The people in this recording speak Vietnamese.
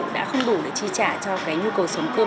đã không đủ để tri trả cho nhu cầu sống cơ bản của người lao động